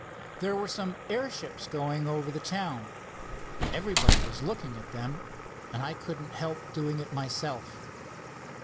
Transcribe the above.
There were some airships going over the town. Everybody was looking at them, and I couldn't help doing it myself."